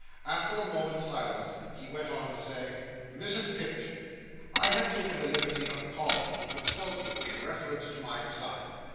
After a moment's silence he went on to say: "Mrs Pipchin, I have taken the liberty of calling, to consult you in reference to my son.